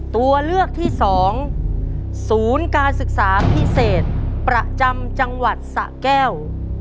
ตัวเลือกที่๒ศูนย์การศึกษาพิเศษประจำจังหวัดสะแก้ว